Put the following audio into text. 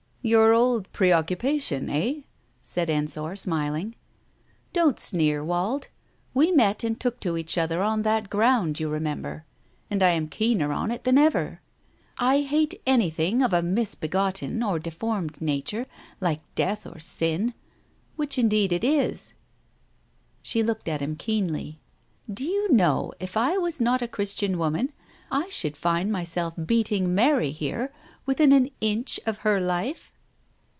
"Your old preoccupation, eh!" said Ensor, smiling. "Don't sneer, Wald. We met and took to each other on that ground, you remember, and I am keener on it than ever. I hate anything of a misbegotten or deformed nature like death or sin, which indeed it is." She looked at him keenly. "Do you know if I was not a Christian woman I should find myself beating Mary here within an inch of her life